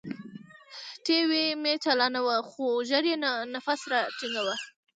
ټي وي مې چالاناوه خو ژر يې نفس راتنګاوه.